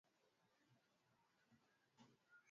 Roho zinakataa katakata